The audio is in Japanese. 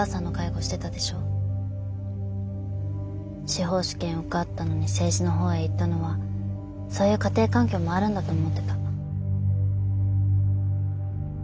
司法試験受かったのに政治の方へ行ったのはそういう家庭環境もあるんだと思ってた。